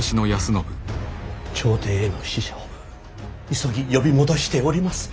朝廷への使者を急ぎ呼び戻しております。